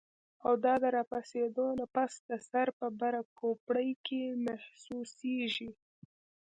او دا د راپاسېدو نه پس د سر پۀ بره کوپړۍ کې محسوسيږي